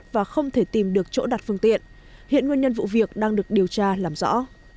và không thể tìm được chỗ đặt phương tiện hiện nguyên nhân vụ việc đang được điều tra làm rõ